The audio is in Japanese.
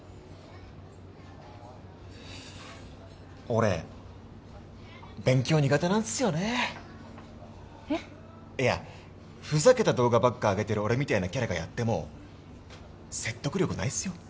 俺勉強苦手なんすよねえっ？いやふざけた動画ばっか上げてる俺みたいなキャラがやっても説得力ないっすよ